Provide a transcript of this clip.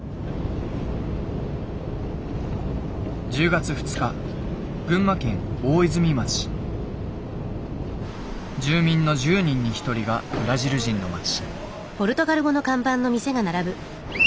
１０月２日住民の１０人に１人がブラジル人の町。